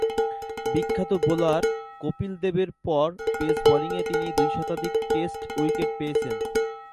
বিখ্যাত বোলার কপিল দেবের পর পেস বোলিংয়ে তিনি দুই শতাধিক টেস্ট উইকেট পেয়েছেন।